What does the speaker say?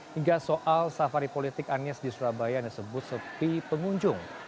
hingga soal safari politik anies di surabaya yang disebut sepi pengunjung